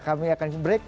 kami akan break